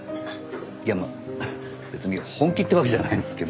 いやまあ別に本気ってわけじゃないんですけど。